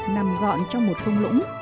nằm gọn trong một thung lũng